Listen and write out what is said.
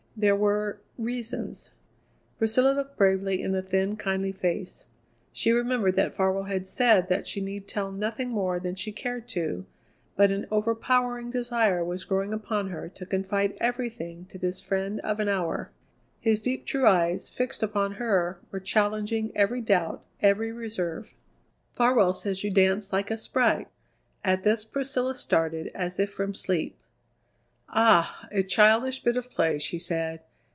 There were reasons." Priscilla looked bravely in the thin, kindly face. She remembered that Farwell had said that she need tell nothing more than she cared to, but an overpowering desire was growing upon her to confide everything to this friend of an hour. His deep, true eyes, fixed upon her, were challenging every doubt, every reserve. "Farwell says you dance like a sprite." At this Priscilla started as if from sleep. "Ah! a childish bit of play," she said.